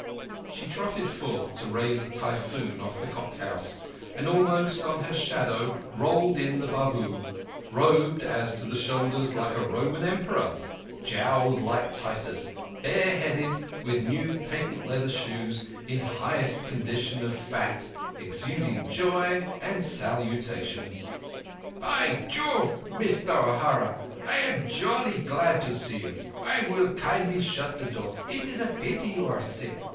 She trotted forth to raise a typhoon off the cook house, and almost on her shadow rolled in the Babu, robed as to the shoulders like a Roman emperor, jowled like Titus, bare headed, with new patent leather shoes, in highest condition of fat, exuding joy and salutations. "By Jove, Mister O'Hara, but I am jolly glad to see you. I will kindly shut the door. It is a pity you are sick.